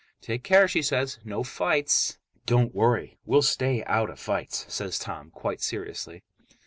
"Take care," she says. "No fights." "Don't worry. We'll stay out of fights," says Tom quite seriously.